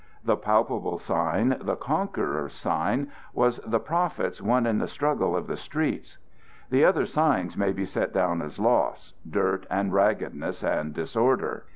The palpable sign, the conqueror's sign, was the profits won in the struggle of the streets. The other signs may be set down as loss dirt and raggedness and disorder.